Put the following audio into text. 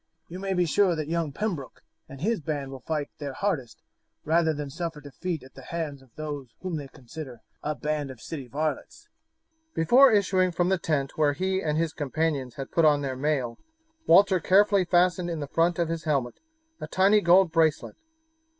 You may be sure that young Pembroke and his band will fight their hardest rather than suffer defeat at the hands of those whom they consider a band of city varlets." Before issuing from the tent where he and his companions had put on their mail Walter carefully fastened in the front of his helmet a tiny gold bracelet.